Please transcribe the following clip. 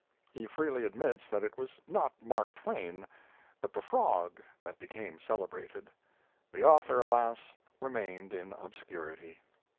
He freely admits that it was not Mark Twain, but the frog, that became celebrated. The author, alas, remained in obscurity!